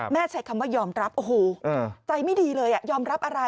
ใช้คำว่ายอมรับโอ้โหใจไม่ดีเลยยอมรับอะไร